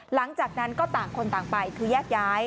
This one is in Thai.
หลังจากนั้นก็ต่างคนต่างไปคือแยกย้าย